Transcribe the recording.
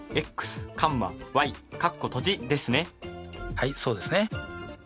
はいそうですね。